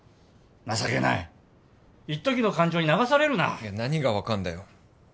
情けないいっときの感情に流されるな何が分かんだよ